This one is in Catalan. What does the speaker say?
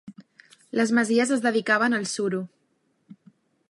Les masies es dedicaven al suro.